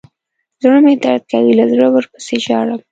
زړه مې درد کوي له زړه ورپسې ژاړم.